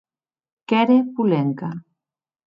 Qu’ère Polenka.